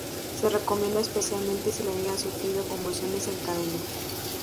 Se recomienda especialmente si la niña ha sufrido convulsiones en cadena.